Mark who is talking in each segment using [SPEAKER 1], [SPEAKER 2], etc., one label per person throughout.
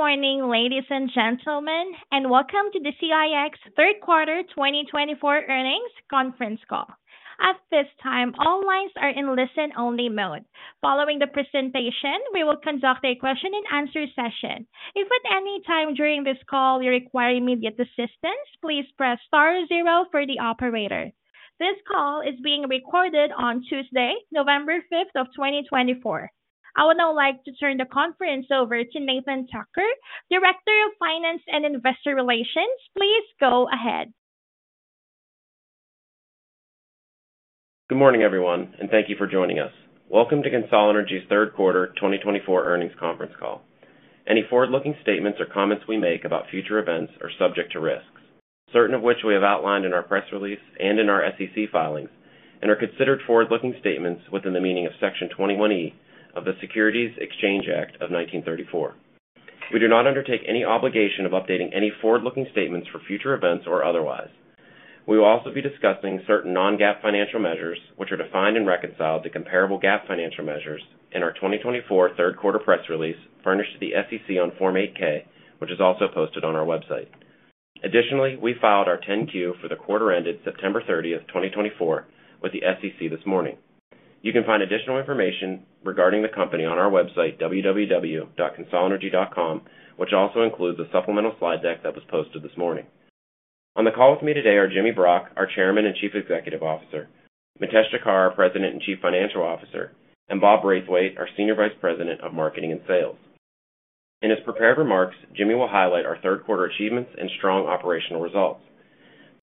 [SPEAKER 1] Good morning, ladies and gentlemen, and welcome to the CEIX Third Quarter 2024 Earnings Conference Call. At this time, all lines are in listen-only mode. Following the presentation, we will conduct a question-and-answer session. If at any time during this call you require immediate assistance, please press star zero for the operator. This call is being recorded on Tuesday, November 5th of 2024. I would now like to turn the conference over to Nathan Thakkar, Director of Finance and Investor Relations. Please go ahead.
[SPEAKER 2] Good morning, everyone, and thank you for joining us. Welcome to CONSOL Energy's Third Quarter 2024 Earnings Conference Call. Any forward-looking statements or comments we make about future events are subject to risks, certain of which we have outlined in our press release and in our SEC filings, and are considered forward-looking statements within the meaning of Section 21E of the Securities Exchange Act of 1934. We do not undertake any obligation of updating any forward-looking statements for future events or otherwise. We will also be discussing certain non-GAAP financial measures, which are defined and reconciled to comparable GAAP financial measures, in our 2024 Third Quarter press release furnished to the SEC on Form 8-K, which is also posted on our website. Additionally, we filed our 10-Q for the quarter ended September 30th, 2024, with the SEC this morning. You can find additional information regarding the company on our website, www.consolenergy.com, which also includes a supplemental slide deck that was posted this morning. On the call with me today are Jimmy Brock, our Chairman and Chief Executive Officer, Mitesh Thakkar, our President and Chief Financial Officer, and Bob Braithwaite, our Senior Vice President of Marketing and Sales. In his prepared remarks, Jimmy will highlight our third quarter achievements and strong operational results.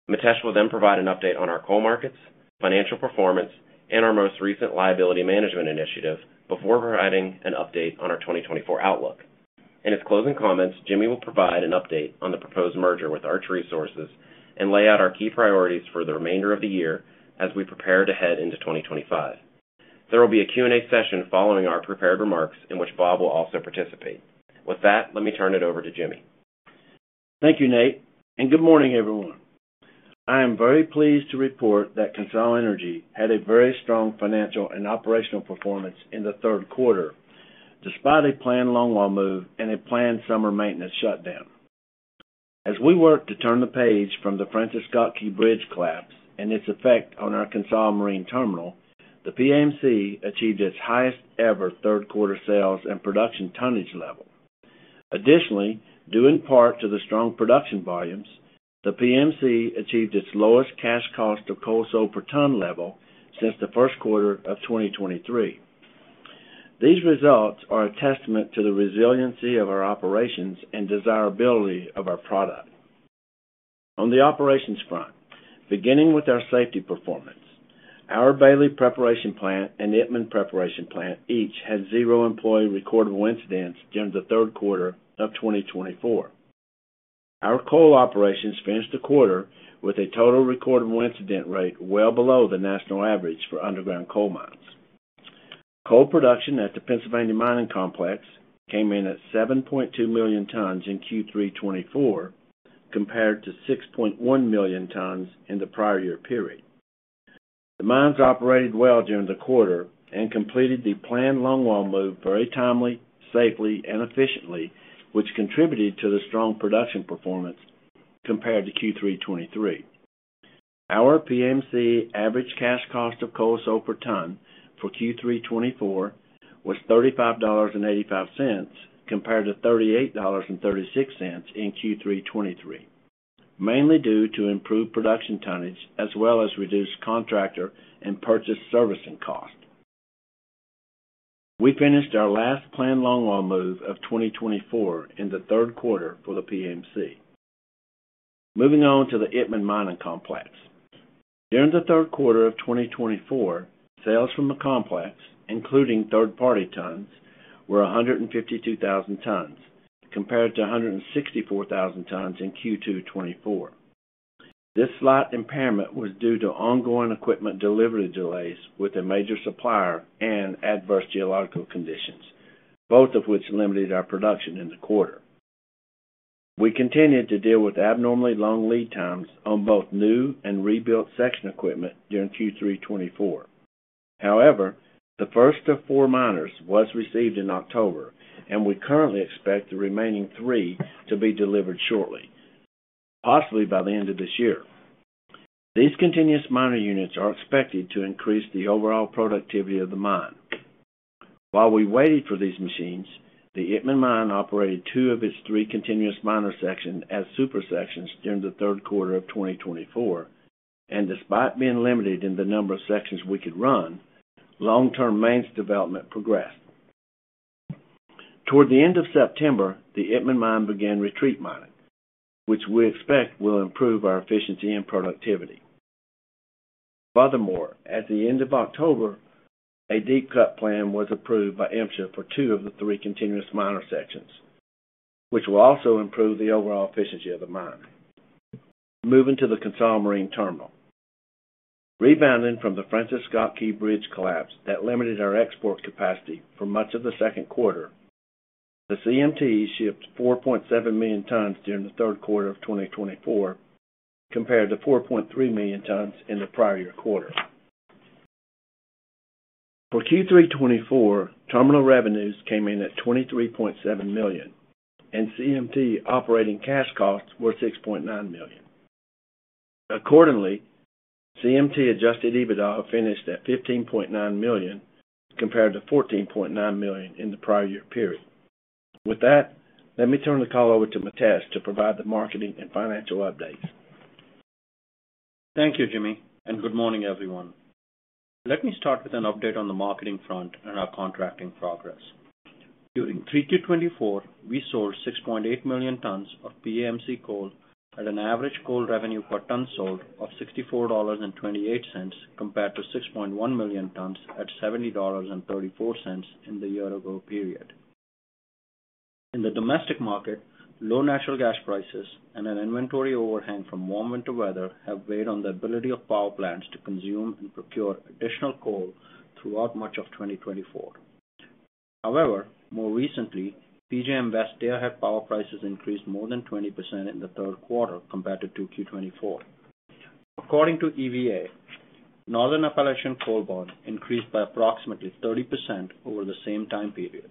[SPEAKER 2] Mitesh will then provide an update on our coal markets, financial performance, and our most recent liability management initiative before providing an update on our 2024 outlook. In his closing comments, Jimmy will provide an update on the proposed merger with Arch Resources and lay out our key priorities for the remainder of the year as we prepare to head into 2025. There will be a Q&A session following our prepared remarks in which Bob will also participate. With that, let me turn it over to Jimmy.
[SPEAKER 3] Thank you, Nate, and good morning, everyone. I am very pleased to report that CONSOL Energy had a very strong financial and operational performance in the third quarter, despite a planned longwall move and a planned summer maintenance shutdown. As we worked to turn the page from the Francis Scott Key Bridge collapse and its effect on our CONSOL Marine Terminal, the PMC achieved its highest-ever third quarter sales and production tonnage level. Additionally, due in part to the strong production volumes, the PMC achieved its lowest cash cost of coal sold per ton level since the first quarter of 2023. These results are a testament to the resiliency of our operations and desirability of our product. On the operations front, beginning with our safety performance, our Bailey Preparation Plant and Itmann Preparation Plant each had zero employee recordable incidents during the third quarter of 2024. Our coal operations finished the quarter with a total recordable incident rate well below the national average for underground coal mines. Coal production at the Pennsylvania Mining Complex came in at 7.2 million tons in Q324, compared to 6.1 million tons in the prior year period. The mines operated well during the quarter and completed the planned longwall move very timely, safely, and efficiently, which contributed to the strong production performance compared to Q323. Our PMC average cash cost of coal sold per ton for Q324 was $35.85, compared to $38.36 in Q323, mainly due to improved production tonnage as well as reduced contractor and purchase servicing cost. We finished our last planned longwall move of 2024 in the third quarter for the PMC. Moving on to the Itmann Mining Complex. During the third quarter of 2024, sales from the complex, including third-party tons, were 152,000 tons, compared to 164,000 tons in Q224. This slight impairment was due to ongoing equipment delivery delays with a major supplier and adverse geological conditions, both of which limited our production in the quarter. We continued to deal with abnormally long lead times on both new and rebuilt section equipment during Q324. However, the first of four miners was received in October, and we currently expect the remaining three to be delivered shortly, possibly by the end of this year. These continuous miner units are expected to increase the overall productivity of the mine. While we waited for these machines, the Itmann mine operated two of its three continuous miner sections as super sections during the third quarter of 2024, and despite being limited in the number of sections we could run, long-term maintenance development progressed. Toward the end of September, the Itmann mine began retreat mining, which we expect will improve our efficiency and productivity. Furthermore, at the end of October, a deep cut plan was approved by MSHA for two of the three continuous miner sections, which will also improve the overall efficiency of the mine. Moving to the CONSOL Marine Terminal. Rebounding from the Francis Scott Key Bridge collapse that limited our export capacity for much of the second quarter, the CMT shipped 4.7 million tons during the third quarter of 2024, compared to 4.3 million tons in the prior year quarter. For Q324, terminal revenues came in at $23.7 million, and CMT operating cash costs were $6.9 million. Accordingly, CMT adjusted EBITDA finished at $15.9 million, compared to $14.9 million in the prior year period. With that, let me turn the call over to Mitesh to provide the marketing and financial updates.
[SPEAKER 4] Thank you, Jimmy, and good morning, everyone. Let me start with an update on the marketing front and our contracting progress. During Q324, we sold 6.8 million tons of PMC coal at an average coal revenue per ton sold of $64.28, compared to 6.1 million tons at $70.34 in the year-ago period. In the domestic market, low natural gas prices and an inventory overhang from warm winter weather have weighed on the ability of power plants to consume and procure additional coal throughout much of 2024. However, more recently, PJM West day-ahead power prices increased more than 20% in the third quarter compared to Q24. According to EVA, Northern Appalachian coal spot increased by approximately 30% over the same time period.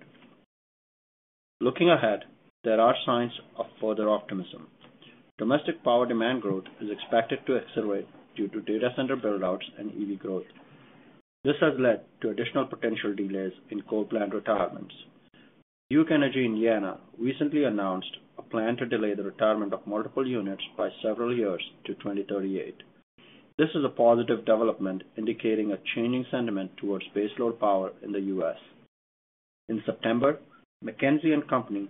[SPEAKER 4] Looking ahead, there are signs of further optimism. Domestic power demand growth is expected to accelerate due to data center buildouts and EV growth. This has led to additional potential delays in coal plant retirements. Duke Energy Indiana recently announced a plan to delay the retirement of multiple units by several years to 2038. This is a positive development indicating a changing sentiment towards base load power in the U.S. In September, McKinsey & Company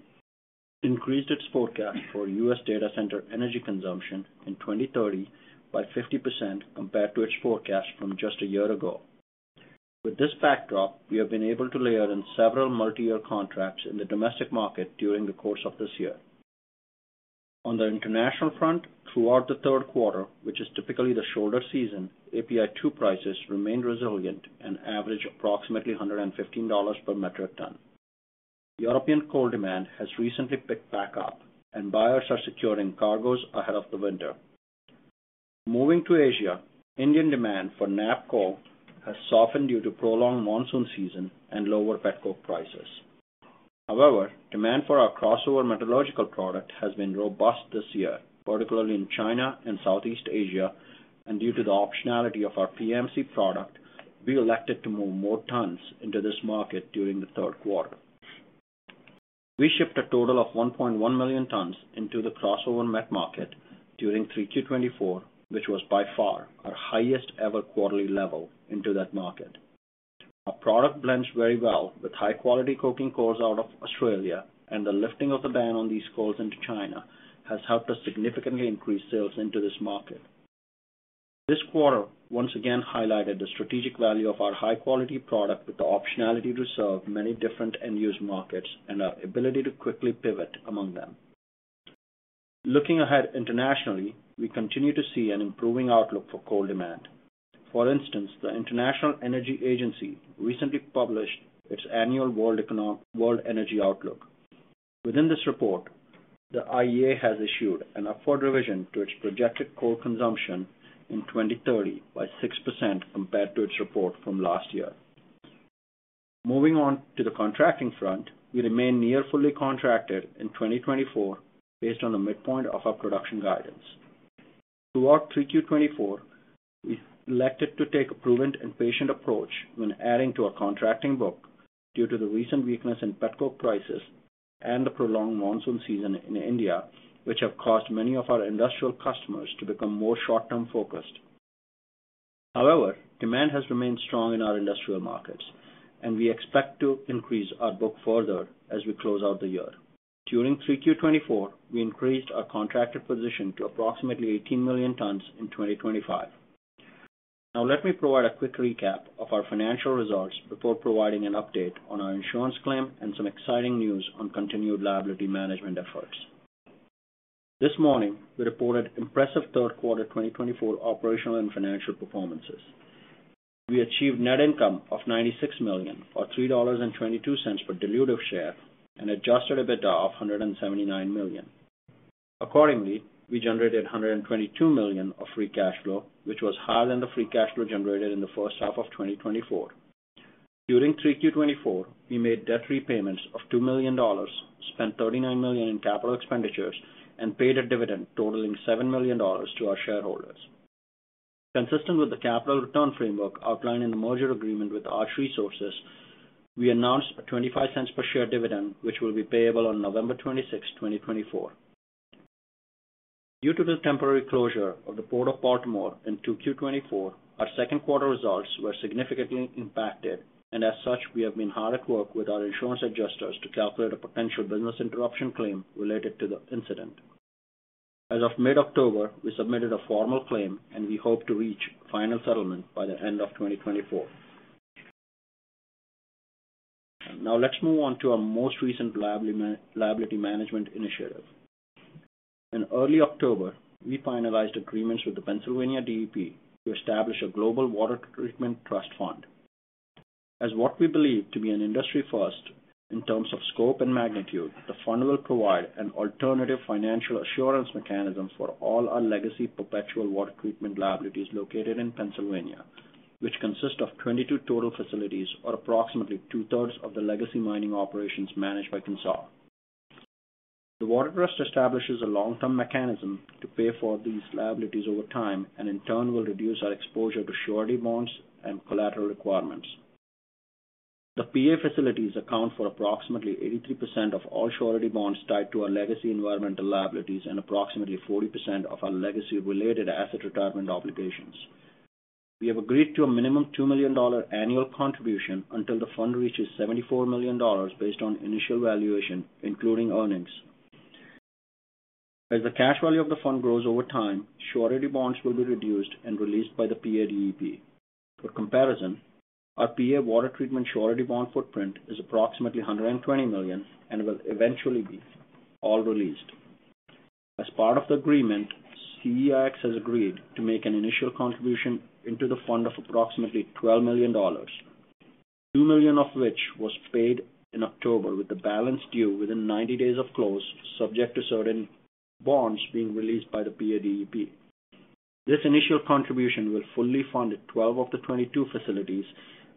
[SPEAKER 4] increased its forecast for U.S. data center energy consumption in 2030 by 50% compared to its forecast from just a year ago. With this backdrop, we have been able to layer in several multi-year contracts in the domestic market during the course of this year. On the international front, throughout the third quarter, which is typically the shoulder season, API2 prices remained resilient and averaged approximately $115 per metric ton. European coal demand has recently picked back up, and buyers are securing cargoes ahead of the winter. Moving to Asia, Indian demand for NAPP has softened due to prolonged monsoon season and lower petcoke prices. However, demand for our crossover metallurgical product has been robust this year, particularly in China and Southeast Asia, and due to the optionality of our PMC product, we elected to move more tons into this market during the third quarter. We shipped a total of 1.1 million tons into the crossover met market during Q324, which was by far our highest-ever quarterly level into that market. Our product blends very well with high-quality coking coals out of Australia, and the lifting of the ban on these coals into China has helped us significantly increase sales into this market. This quarter once again highlighted the strategic value of our high-quality product with the optionality to serve many different end-use markets and our ability to quickly pivot among them. Looking ahead internationally, we continue to see an improving outlook for coal demand. For instance, the International Energy Agency recently published its annual World Energy Outlook. Within this report, the IEA has issued an upward revision to its projected coal consumption in 2030 by 6% compared to its report from last year. Moving on to the contracting front, we remain near fully contracted in 2024 based on the midpoint of our production guidance. Throughout Q224, we elected to take a prudent and patient approach when adding to our contracting book due to the recent weakness in petcoke prices and the prolonged monsoon season in India, which have caused many of our industrial customers to become more short-term focused. However, demand has remained strong in our industrial markets, and we expect to increase our book further as we close out the year. During Q224, we increased our contracted position to approximately 18 million tons in 2025. Now, let me provide a quick recap of our financial results before providing an update on our insurance claim and some exciting news on continued liability management efforts. This morning, we reported impressive third quarter 2024 operational and financial performances. We achieved net income of $96 million, or $3.22 per dilutive share, and adjusted EBITDA of $179 million. Accordingly, we generated $122 million of free cash flow, which was higher than the free cash flow generated in the first half of 2024. During Q224, we made debt repayments of $2 million, spent $39 million in capital expenditures, and paid a dividend totaling $7 million to our shareholders. Consistent with the capital return framework outlined in the merger agreement with Arch Resources, we announced a $0.25 per share dividend, which will be payable on November 26, 2024. Due to the temporary closure of the Port of Baltimore in Q224, our second quarter results were significantly impacted, and as such, we have been hard at work with our insurance adjusters to calculate a potential business interruption claim related to the incident. As of mid-October, we submitted a formal claim, and we hope to reach final settlement by the end of 2024. Now, let's move on to our most recent liability management initiative. In early October, we finalized agreements with the Pennsylvania DEP to establish a Global Water Treatment Trust Fund. As what we believe to be an industry first in terms of scope and magnitude, the fund will provide an alternative financial assurance mechanism for all our legacy perpetual water treatment liabilities located in Pennsylvania, which consist of 22 total facilities, or approximately two-thirds of the legacy mining operations managed by CONSOL. The water trust establishes a long-term mechanism to pay for these liabilities over time and, in turn, will reduce our exposure to surety bonds and collateral requirements. The PA facilities account for approximately 83% of all surety bonds tied to our legacy environmental liabilities and approximately 40% of our legacy-related asset retirement obligations. We have agreed to a minimum $2 million annual contribution until the fund reaches $74 million based on initial valuation, including earnings. As the cash value of the fund grows over time, surety bonds will be reduced and released by the PA DEP. For comparison, our PA water treatment surety bond footprint is approximately $120 million and will eventually be all released. As part of the agreement, CEIX has agreed to make an initial contribution into the fund of approximately $12 million, $2 million of which was paid in October with the balance due within 90 days of close, subject to certain bonds being released by the PA DEP. This initial contribution will fully fund 12 of the 22 facilities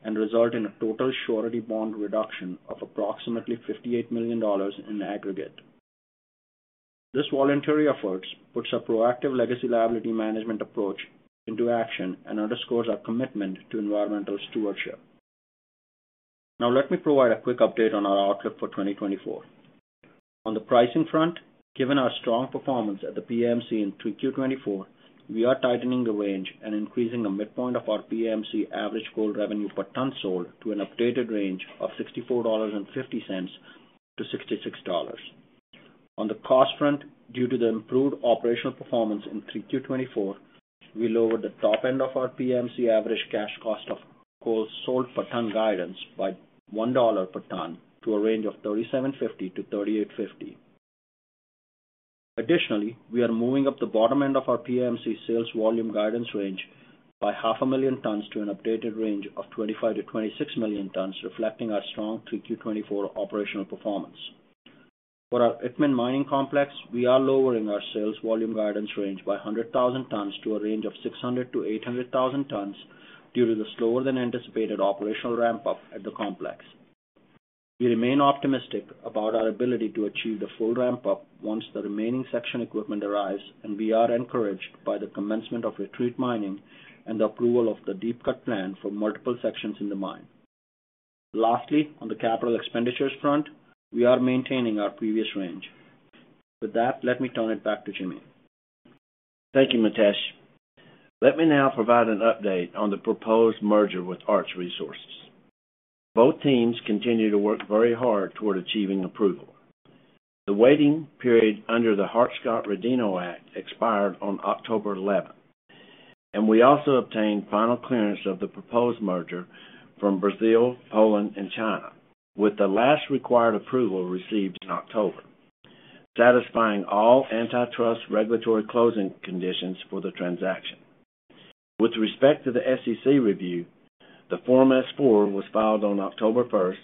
[SPEAKER 4] and result in a total surety bond reduction of approximately $58 million in aggregate. This voluntary effort puts our proactive legacy liability management approach into action and underscores our commitment to environmental stewardship. Now, let me provide a quick update on our outlook for 2024. On the pricing front, given our strong performance at the PAMC in Q224, we are tightening the range and increasing the midpoint of our PAMC average coal revenue per ton sold to an updated range of $64.50-$66. On the cost front, due to the improved operational performance in Q224, we lowered the top end of our PAMC average cash cost of coal sold per ton guidance by $1 per ton to a range of $37.50-$38.50. Additionally, we are moving up the bottom end of our PAMC sales volume guidance range by 500,000 tons to an updated range of 25-26 million tons, reflecting our strong Q224 operational performance. For our Itmann Mining Complex, we are lowering our sales volume guidance range by 100,000 tons to a range of 600,000-800,000 tons due to the slower-than-anticipated operational ramp-up at the complex. We remain optimistic about our ability to achieve the full ramp-up once the remaining section equipment arrives, and we are encouraged by the commencement of retreat mining and the approval of the deep cut plan for multiple sections in the mine. Lastly, on the capital expenditures front, we are maintaining our previous range. With that, let me turn it back to Jimmy.
[SPEAKER 3] Thank you, Mitesh. Let me now provide an update on the proposed merger with Arch Resources. Both teams continue to work very hard toward achieving approval. The waiting period under the Hart-Scott-Rodino Act expired on October 11, and we also obtained final clearance of the proposed merger from Brazil, Poland, and China, with the last required approval received in October, satisfying all antitrust regulatory closing conditions for the transaction. With respect to the SEC review, the Form S-4 was filed on October 1,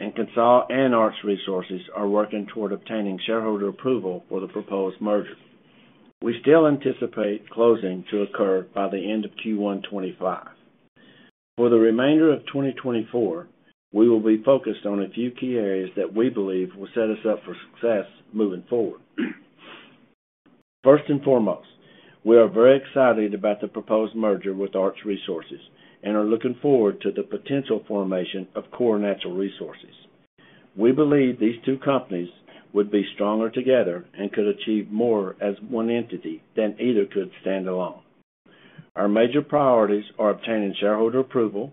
[SPEAKER 3] and CONSOL and Arch Resources are working toward obtaining shareholder approval for the proposed merger. We still anticipate closing to occur by the end of Q1 2025. For the remainder of 2024, we will be focused on a few key areas that we believe will set us up for success moving forward. First and foremost, we are very excited about the proposed merger with Arch Resources and are looking forward to the potential formation of Core Natural Resources. We believe these two companies would be stronger together and could achieve more as one entity than either could stand alone. Our major priorities are obtaining shareholder approval,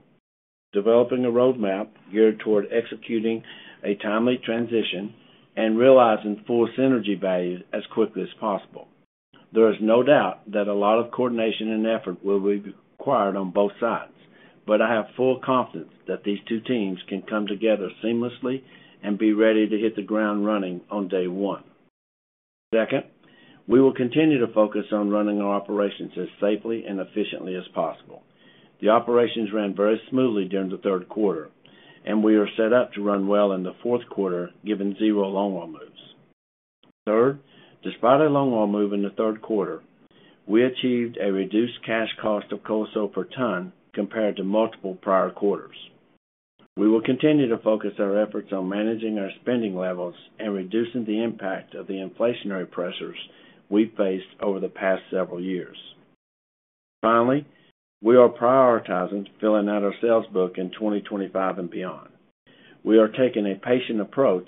[SPEAKER 3] developing a roadmap geared toward executing a timely transition, and realizing full synergy value as quickly as possible. There is no doubt that a lot of coordination and effort will be required on both sides, but I have full confidence that these two teams can come together seamlessly and be ready to hit the ground running on day one. Second, we will continue to focus on running our operations as safely and efficiently as possible. The operations ran very smoothly during the third quarter, and we are set up to run well in the fourth quarter given zero longwall moves. Third, despite a longwall move in the third quarter, we achieved a reduced cash cost of coal sale per ton compared to multiple prior quarters. We will continue to focus our efforts on managing our spending levels and reducing the impact of the inflationary pressures we've faced over the past several years. Finally, we are prioritizing filling out our sales book in 2025 and beyond. We are taking a patient approach,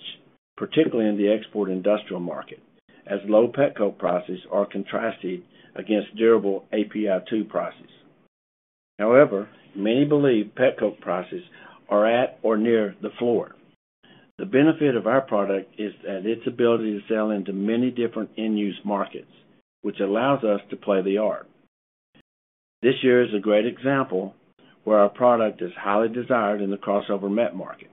[SPEAKER 3] particularly in the export industrial market, as low petcoke prices are contrasted against durable API2 prices. However, many believe petcoke prices are at or near the floor. The benefit of our product is that its ability to sell into many different end-use markets, which allows us to play the arc. This year is a great example where our product is highly desired in the crossover met market.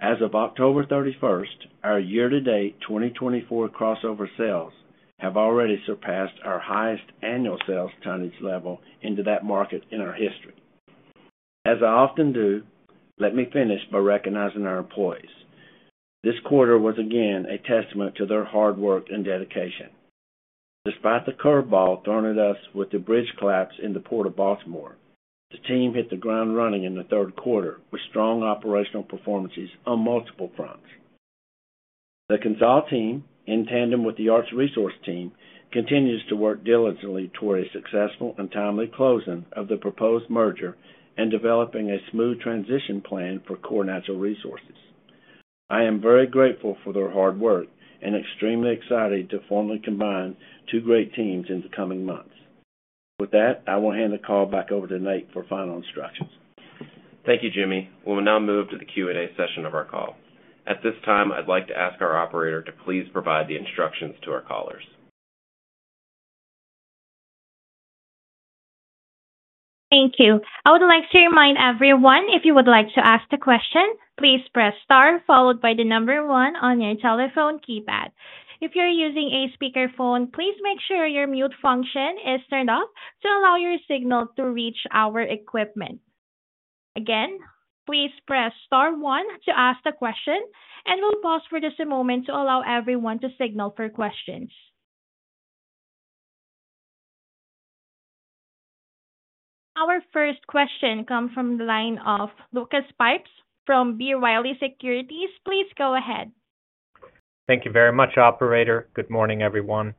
[SPEAKER 3] As of October 31, our year-to-date 2024 crossover sales have already surpassed our highest annual sales tonnage level into that market in our history. As I often do, let me finish by recognizing our employees. This quarter was again a testament to their hard work and dedication. Despite the curveball thrown at us with the bridge collapse in the Port of Baltimore, the team hit the ground running in the third quarter with strong operational performances on multiple fronts. The CONSOL team, in tandem with the Arch Resources team, continues to work diligently toward a successful and timely closing of the proposed merger and developing a smooth transition plan for Core Natural Resources. I am very grateful for their hard work and extremely excited to formally combine two great teams in the coming months. With that, I will hand the call back over to Nate for final instructions.
[SPEAKER 2] Thank you, Jimmy. We will now move to the Q&A session of our call. At this time, I'd like to ask our operator to please provide the instructions to our callers.
[SPEAKER 1] Thank you. I would like to remind everyone, if you would like to ask a question, please press star followed by the number one on your telephone keypad. If you're using a speakerphone, please make sure your mute function is turned off to allow your signal to reach our equipment. Again, please press star one to ask the question, and we'll pause for just a moment to allow everyone to signal for questions. Our first question comes from the line of Lucas Pipes from B. Riley Securities. Please go ahead.
[SPEAKER 5] Thank you very much, Operator. Good morning, everyone.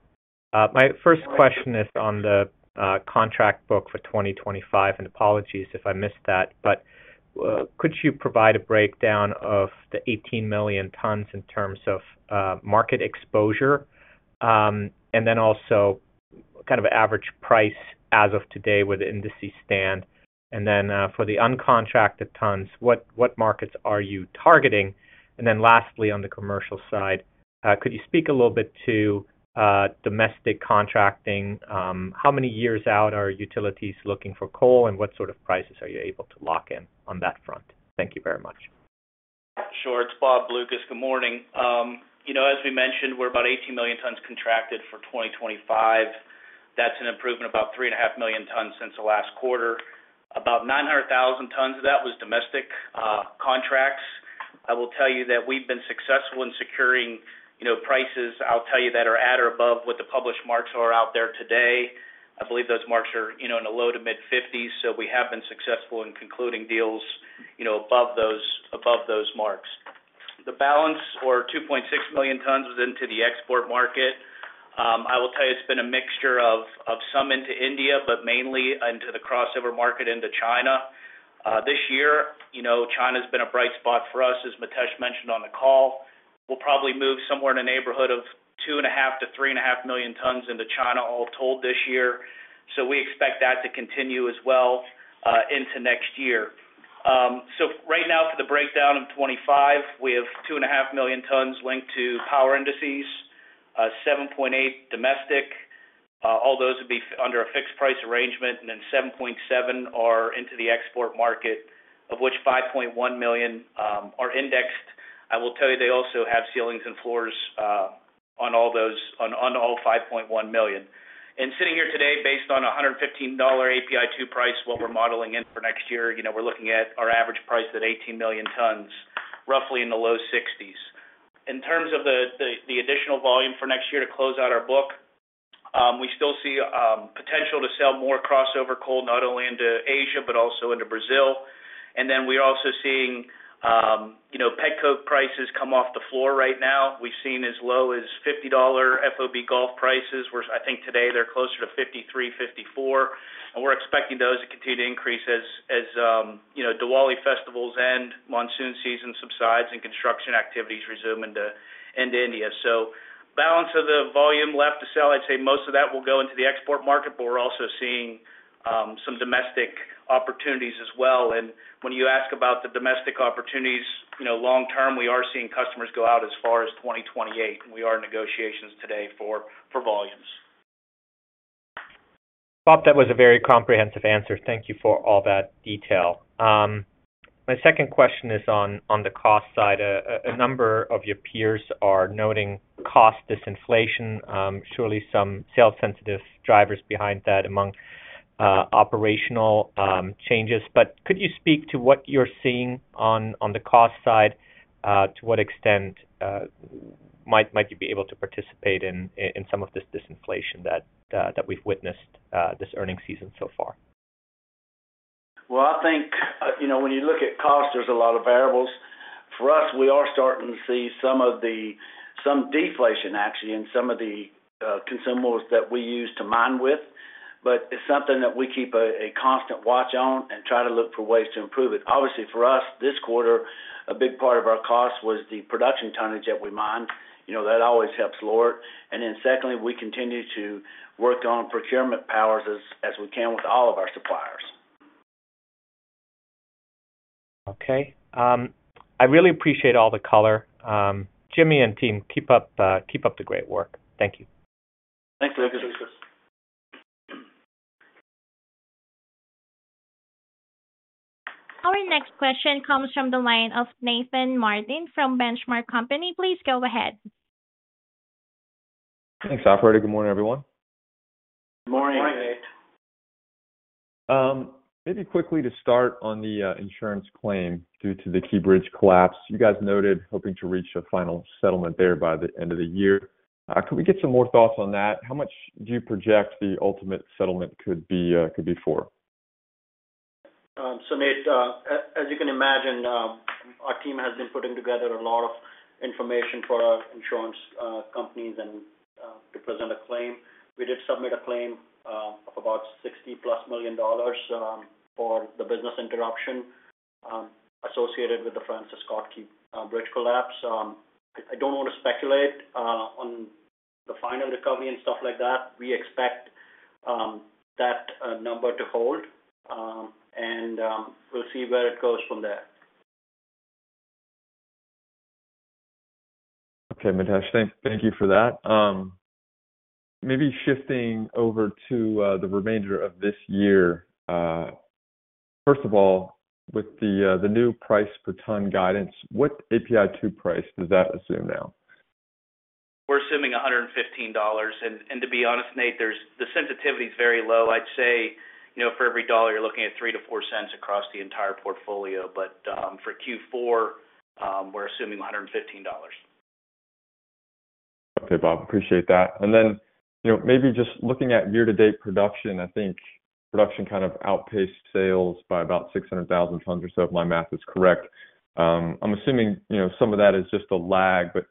[SPEAKER 5] My first question is on the contract book for 2025, and apologies if I missed that, but could you provide a breakdown of the 18 million tons in terms of market exposure and then also kind of average price as of today where the indices stand? And then for the uncontracted tons, what markets are you targeting? And then lastly, on the commercial side, could you speak a little bit to domestic contracting? How many years out are utilities looking for coal, and what sort of prices are you able to lock in on that front? Thank you very much.
[SPEAKER 6] Sure. It's Bob Braithwaite. Good morning. As we mentioned, we're about 18 million tons contracted for 2025. That's an improvement of about 3.5 million tons since the last quarter. About 900,000 tons of that was domestic contracts. I will tell you that we've been successful in securing prices, I'll tell you, that are at or above what the published marks are out there today. I believe those marks are in the low to mid-50s, so we have been successful in concluding deals above those marks. The balance, or 2.6 million tons, was into the export market. I will tell you it's been a mixture of some into India, but mainly into the crossover market into China. This year, China has been a bright spot for us, as Mitesh mentioned on the call. We'll probably move somewhere in the neighborhood of 2.5-3.5 million tons into China, all told this year. So we expect that to continue as well into next year. So right now, for the breakdown of 2025, we have 2.5 million tons linked to power indices, 7.8 domestic. All those would be under a fixed price arrangement, and then 7.7 are into the export market, of which 5.1 million are indexed. I will tell you they also have ceilings and floors on all those, on all 5.1 million. And sitting here today, based on a $115 API2 price, what we're modeling in for next year, we're looking at our average price at 18 million tons, roughly in the low 60s. In terms of the additional volume for next year to close out our book, we still see potential to sell more crossover coal, not only into Asia but also into Brazil, and then we're also seeing petcoke prices come off the floor right now. We've seen as low as $50 FOB gulf prices, where I think today they're closer to $53-$54, and we're expecting those to continue to increase as Diwali festivals end, monsoon season subsides, and construction activities resume into India, so balance of the volume left to sell, I'd say most of that will go into the export market, but we're also seeing some domestic opportunities as well, and when you ask about the domestic opportunities, long-term, we are seeing customers go out as far as 2028, and we are in negotiations today for volumes.
[SPEAKER 5] Bob, that was a very comprehensive answer. Thank you for all that detail. My second question is on the cost side. A number of your peers are noting cost disinflation, surely some sales-sensitive drivers behind that among operational changes. But could you speak to what you're seeing on the cost side, to what extent might you be able to participate in some of this disinflation that we've witnessed this earnings season so far?
[SPEAKER 3] I think when you look at cost, there's a lot of variables. For us, we are starting to see some deflation, actually, in some of the consumables that we use to mine with. But it's something that we keep a constant watch on and try to look for ways to improve it. Obviously, for us, this quarter, a big part of our cost was the production tonnage that we mined. That always helps lower it. And then secondly, we continue to work on procurement powers as we can with all of our suppliers.
[SPEAKER 5] Okay. I really appreciate all the color. Jimmy and team, keep up the great work. Thank you.
[SPEAKER 3] Thanks, Lucas.
[SPEAKER 1] Our next question comes from the line of Nathan Martin from Benchmark Company. Please go ahead.
[SPEAKER 7] Thanks, Operator. Good morning, everyone.
[SPEAKER 3] Good morning.
[SPEAKER 7] Maybe quickly to start on the insurance claim due to the Key Bridge collapse. You guys noted hoping to reach a final settlement there by the end of the year. Could we get some more thoughts on that? How much do you project the ultimate settlement could be for?
[SPEAKER 4] So Nate, as you can imagine, our team has been putting together a lot of information for our insurance companies to present a claim. We did submit a claim of about $60-plus million for the business interruption associated with the Francis Scott Key Bridge collapse. I don't want to speculate on the final recovery and stuff like that. We expect that number to hold, and we'll see where it goes from there.
[SPEAKER 7] Okay, Mitesh. Thank you for that. Maybe shifting over to the remainder of this year. First of all, with the new price per ton guidance, what API2 price does that assume now?
[SPEAKER 6] We're assuming $115, and to be honest, Nate, the sensitivity is very low. I'd say for every dollar, you're looking at $0.03-$0.04 across the entire portfolio, but for Q4, we're assuming $115.
[SPEAKER 7] Okay, Bob. Appreciate that, and then maybe just looking at year-to-date production, I think production kind of outpaced sales by about 600,000 tons or so, if my math is correct. I'm assuming some of that is just a lag, but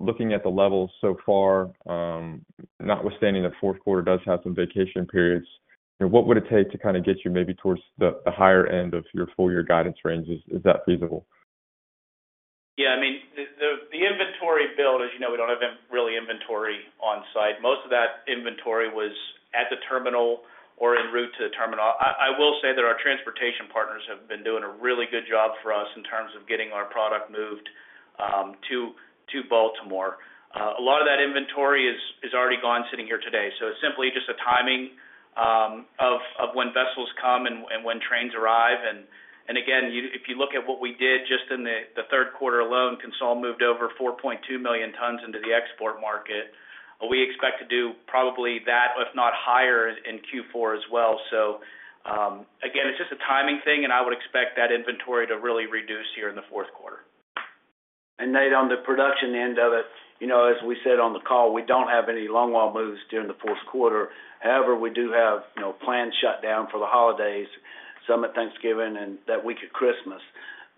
[SPEAKER 7] looking at the levels so far, notwithstanding the fourth quarter does have some vacation periods, what would it take to kind of get you maybe towards the higher end of your full-year guidance range? Is that feasible?
[SPEAKER 6] Yeah. I mean, the inventory build, as you know, we don't have really inventory on site. Most of that inventory was at the terminal or in route to the terminal. I will say that our transportation partners have been doing a really good job for us in terms of getting our product moved to Baltimore. A lot of that inventory is already gone sitting here today. So it's simply just a timing of when vessels come and when trains arrive. And again, if you look at what we did just in the third quarter alone, CONSOL moved over 4.2 million tons into the export market. We expect to do probably that, if not higher, in Q4 as well. So again, it's just a timing thing, and I would expect that inventory to really reduce here in the fourth quarter.
[SPEAKER 3] Nate, on the production end of it, as we said on the call, we don't have any longwall moves during the fourth quarter. However, we do have planned shutdown for the holidays, including Thanksgiving, and that week of Christmas.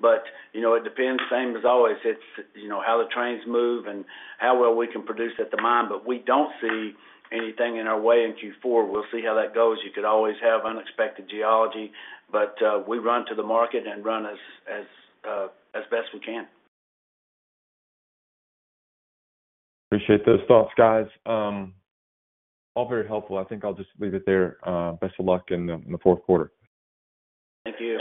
[SPEAKER 3] But it depends, same as always. It's how the trains move and how well we can produce at the mine. But we don't see anything in our way in Q4. We'll see how that goes. You could always have unexpected geology, but we run to the market and run as best we can.
[SPEAKER 7] Appreciate those thoughts, guys. All very helpful. I think I'll just leave it there. Best of luck in the fourth quarter.
[SPEAKER 4] Thank you.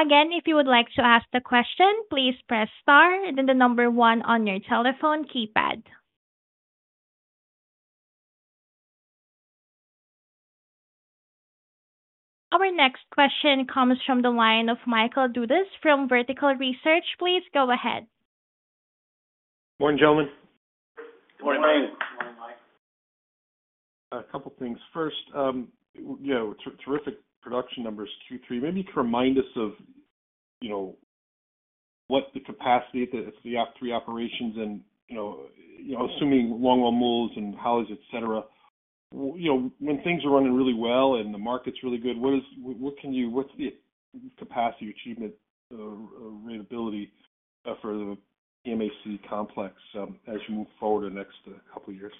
[SPEAKER 1] Again, if you would like to ask the question, please press star and then the number one on your telephone keypad. Our next question comes from the line of Michael Dudas from Vertical Research Partners. Please go ahead.
[SPEAKER 8] Morning, gentlemen.
[SPEAKER 4] Morning, Mike.
[SPEAKER 8] A couple of things. First, terrific production numbers Q3. Maybe you could remind us of what the capacity of the three operations and assuming longwall moves and how is it, etc. When things are running really well and the market's really good, what's the capacity achievement rate ability for the PAMC complex as you move forward in the next couple of years?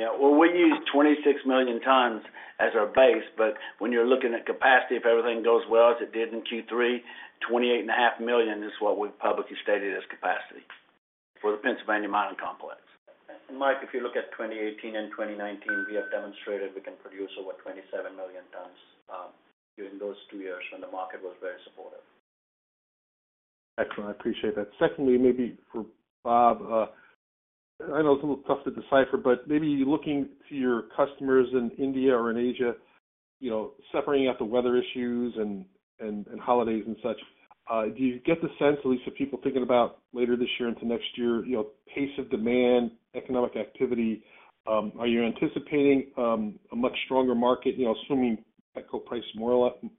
[SPEAKER 3] Yeah. Well, we use 26 million tons as our base, but when you're looking at capacity, if everything goes well as it did in Q3, 28.5 million is what we've publicly stated as capacity for the Pennsylvania Mining Complex. And Mike, if you look at 2018 and 2019, we have demonstrated we can produce over 27 million tons during those two years when the market was very supportive.
[SPEAKER 8] Excellent. I appreciate that. Secondly, maybe for Bob, I know it's a little tough to decipher, but maybe looking to your customers in India or in Asia, separating out the weather issues and holidays and such, do you get the sense, at least of people thinking about later this year into next year, pace of demand, economic activity? Are you anticipating a much stronger market, assuming petcoke price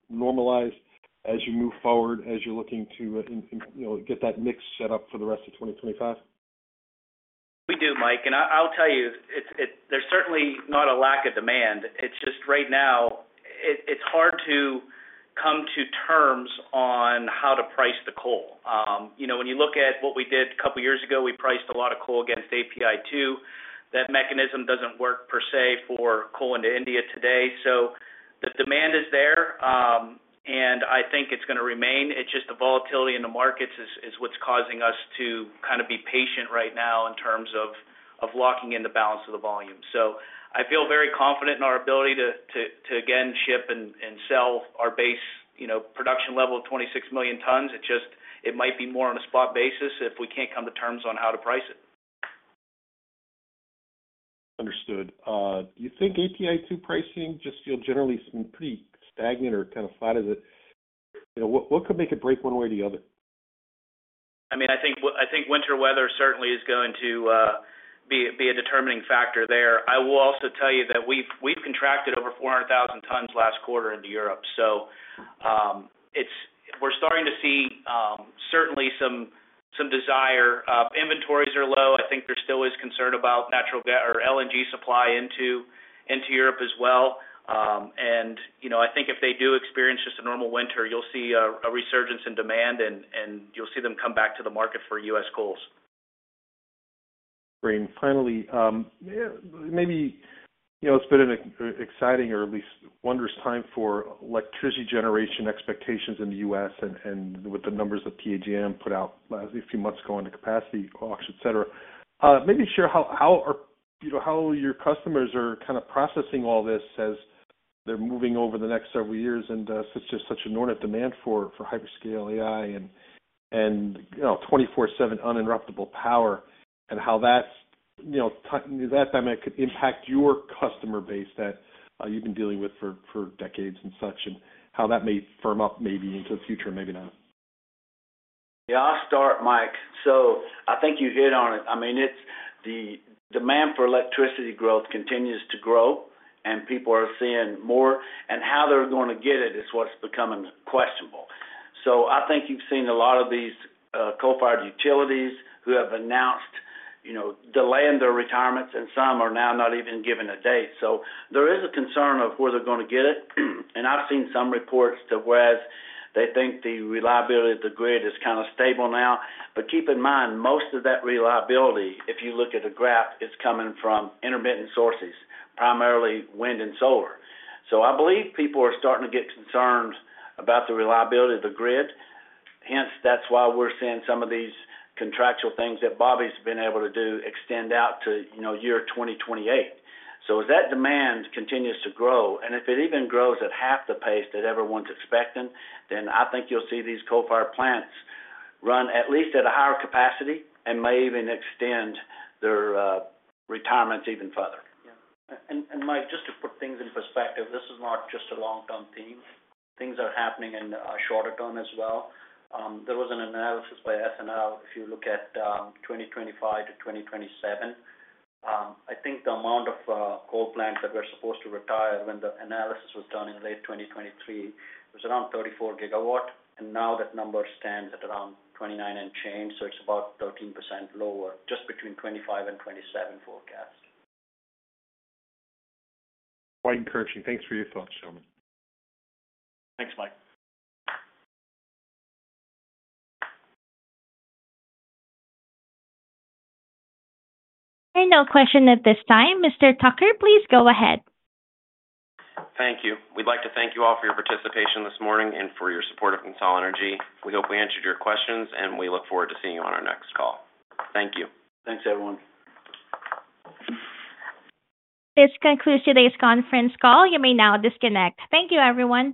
[SPEAKER 8] normalized as you move forward, as you're looking to get that mix set up for the rest of 2025?
[SPEAKER 6] We do, Mike. And I'll tell you, there's certainly not a lack of demand. It's just right now, it's hard to come to terms on how to price the coal. When you look at what we did a couple of years ago, we priced a lot of coal against API2. That mechanism doesn't work per se for coal into India today. So the demand is there, and I think it's going to remain. It's just the volatility in the markets is what's causing us to kind of be patient right now in terms of locking in the balance of the volume. So I feel very confident in our ability to, again, ship and sell our base production level of 26 million tons. It might be more on a spot basis if we can't come to terms on how to price it.
[SPEAKER 8] Understood. Do you think API2 pricing just feels generally pretty stagnant or kind of flat? What could make it break one way or the other?
[SPEAKER 6] I mean, I think winter weather certainly is going to be a determining factor there. I will also tell you that we've contracted over 400,000 tons last quarter into Europe. So we're starting to see certainly some desire. Inventories are low. I think there still is concern about natural gas or LNG supply into Europe as well, and I think if they do experience just a normal winter, you'll see a resurgence in demand, and you'll see them come back to the market for U.S. coals.
[SPEAKER 8] Great. And finally, maybe it's been an exciting or at least wondrous time for electricity generation expectations in the U.S. and with the numbers that PJM put out a few months ago on the capacity auction, etc. Maybe share how your customers are kind of processing all this as they're moving over the next several years and such an inordinate demand for hyperscale AI and 24/7 uninterruptible power and how that dynamic could impact your customer base that you've been dealing with for decades and such and how that may firm up maybe into the future or maybe not.
[SPEAKER 3] Yeah. I'll start, Mike. So I think you hit on it. I mean, the demand for electricity growth continues to grow, and people are seeing more. And how they're going to get it is what's becoming questionable. So I think you've seen a lot of these coal-fired utilities who have announced delaying their retirements, and some are now not even giving a date. So there is a concern of where they're going to get it. And I've seen some reports too, whereas they think the reliability of the grid is kind of stable now. But keep in mind, most of that reliability, if you look at a graph, is coming from intermittent sources, primarily wind and solar. So I believe people are starting to get concerned about the reliability of the grid. Hence, that's why we're seeing some of these contractual things that Bobby's been able to do extend out to year 2028. So as that demand continues to grow, and if it even grows at half the pace that everyone's expecting, then I think you'll see these coal-fired plants run at least at a higher capacity and may even extend their retirements even further.
[SPEAKER 4] Yeah. And Mike, just to put things in perspective, this is not just a long-term theme. Things are happening in a shorter term as well. There was an analysis by SNL. If you look at 2025 to 2027, I think the amount of coal plants that were supposed to retire when the analysis was done in late 2023 was around 34GW. And now that number stands at around 29 and change. So it's about 13% lower, just between 25 and 27 forecast.
[SPEAKER 8] Quite encouraging. Thanks for your thoughts, gentlemen.
[SPEAKER 6] Thanks, Mike.
[SPEAKER 1] There's no question at this time. Mr. Tucker, please go ahead.
[SPEAKER 2] Thank you. We'd like to thank you all for your participation this morning and for your support of CONSOL Energy. We hope we answered your questions, and we look forward to seeing you on our next call. Thank you.
[SPEAKER 4] Thanks, everyone.
[SPEAKER 1] This concludes today's conference call. You may now disconnect. Thank you, everyone.